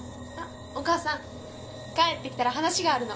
お母さん帰ってきたら話があるの。